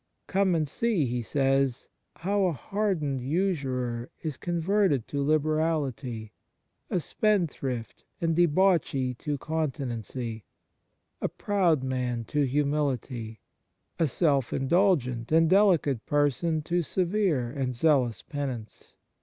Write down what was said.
" Come and see," he says, " how a hardened usurer is converted to liberality, a spendthrift and debauchee to continency, a proud man to humility, a self indulgent and delicate person to severe and zealous penance.